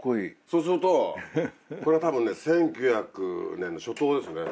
そうするとこれ多分ね１９００年の初頭ですね。